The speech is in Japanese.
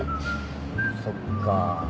そっか。